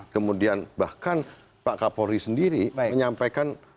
kemudian bahkan pak kapolri sendiri menyampaikan